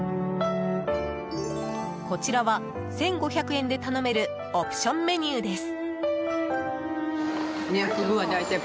こちらは１５００円で頼めるオプションメニューです。